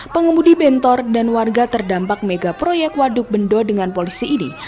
pengemudi bentor dan warga terdampak mega proyek waduk bendo dengan polisi ini